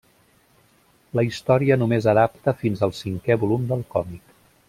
La història només adapta fins al cinquè volum del còmic.